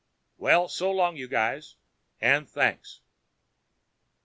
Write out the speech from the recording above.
Well, so long, you guys and thanks.